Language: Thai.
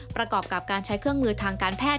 ประกอบกับการใช้เครื่องมือทางการแพทย์